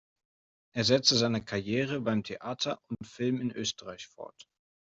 Er setzte seine Karriere beim Theater und Film in Österreich fort.